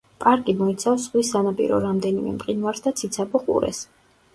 პარკი მოიცავს ზღვის სანაპირო რამდენიმე მყინვარს და ციცაბო ყურეს.